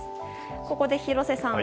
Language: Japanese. ここで廣瀬さん